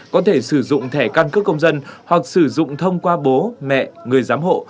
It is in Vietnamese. có thể sử dụng thẻ căn cước công dân hoặc sử dụng thông qua bố mẹ người giám hộ